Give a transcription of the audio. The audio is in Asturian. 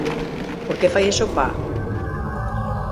¿Por qué fai eso, pá?